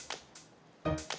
kayaknya super kece